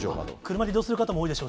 車で移動する方も多いでしょ